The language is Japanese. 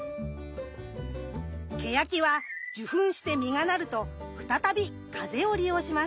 ケヤキは受粉して実がなると再び風を利用します。